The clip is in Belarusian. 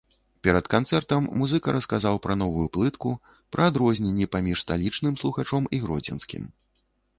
Перад канцэртам музыка расказаў пра новую плытку, пра адрозненні паміж сталічным слухачом і гродзенскім.